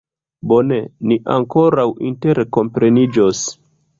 Bone, ni ankoraŭ interkompreniĝos.